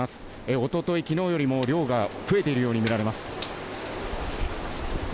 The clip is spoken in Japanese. おととい、きのうよりも量が増えているように見られます。